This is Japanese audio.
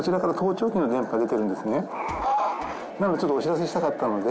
なのでちょっとお知らせしたかったので。